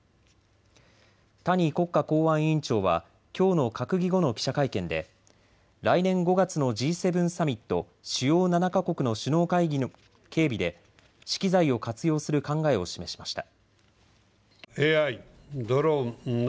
谷国家公安委員長はきょうの閣議後の記者会見で来年５月のＧ７サミット・主要７か国の首脳会議の警備で資機材を活用する考えを示しました。